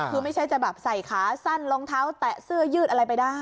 คือไม่ใช่จะแบบใส่ขาสั้นรองเท้าแตะเสื้อยืดอะไรไปได้